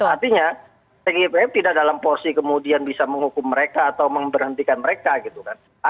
artinya tgpf tidak dalam porsi kemudian bisa menghukum mereka atau memberhentikan mereka gitu kan